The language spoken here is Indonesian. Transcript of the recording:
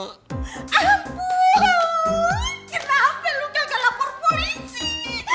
ampun kenapa lu kagak lapor polisi